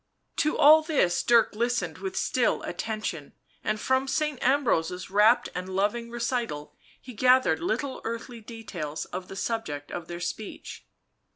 To all this Dirk listened with still attention, and from Saint Ambrose's rapt and loving recital he gathered little earthly details of the subject of their speech.